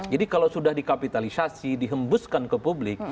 jadi kalau sudah dikapitalisasi dihembuskan ke publik